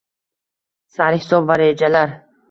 Sarhisob va rejalar